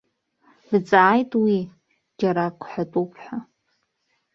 Дҵааит уи, џьара ак ҳәатәуп ҳәа.